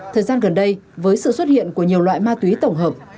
thời gian gần đây với sự xuất hiện của nhiều loại ma túy tổng hợp